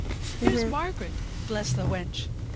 Here's Margaret! bless the wench!